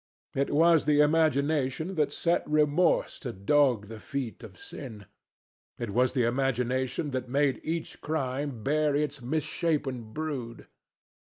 It was the imagination that set remorse to dog the feet of sin. It was the imagination that made each crime bear its misshapen brood.